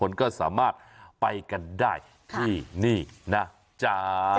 คนก็สามารถไปกันได้ที่นี่นะจ๊ะ